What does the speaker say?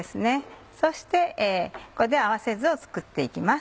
そしてここで合わせ酢を作って行きます。